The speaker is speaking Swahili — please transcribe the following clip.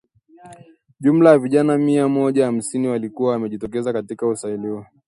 jumla ya vijana mia moja hamsini walikuwa wamejitokeza katika usajili huo